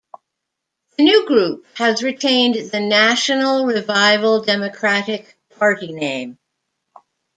The new group has retained the National Revival Democratic Party name.